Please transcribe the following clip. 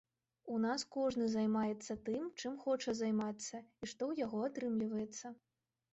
У нас кожны займаецца тым, чым хоча займацца, і што ў яго атрымліваецца.